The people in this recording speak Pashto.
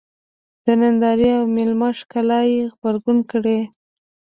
د نندارې او مېلمه ښکلا یې غبرګه کړې.